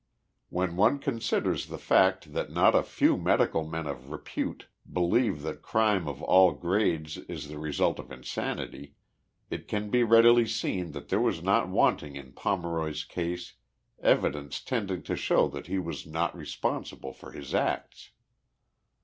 When one considers the fact that not a few medical men of repute believe that crime of all grades is the result of insanity, it can be readily seen that there was not wanting in Pomeroy's case evidence tending to show that he was not responsible for his acts.